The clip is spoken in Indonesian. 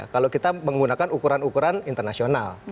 kalau kita menggunakan ukuran ukuran internasional